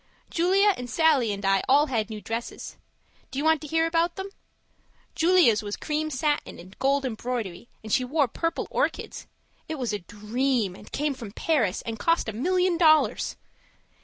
Julia and Sallie and I all had new dresses. Do you want to hear about them? Julia's was cream satin and gold embroidery and she wore purple orchids. It was a DREAM and came from Paris, and cost a million dollars.